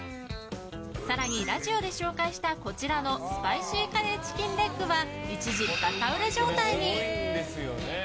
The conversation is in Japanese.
更にラジオで紹介したこちらのスパイシーカレーチキンレッグは一時、バカ売れ状態に！